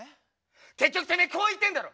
結局てめえこう言いてえんだろ。